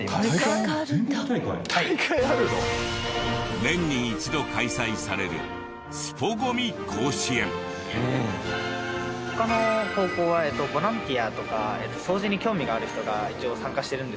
年に一度開催される他の高校はボランティアとか掃除に興味がある人が一応参加してるんですけど